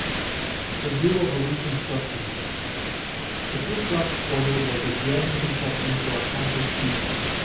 The View of a "Reconstructionist" The Ku Klux Order was a daring conception for a conquered people.